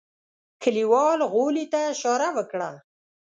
کليوال غولي ته اشاره وکړه.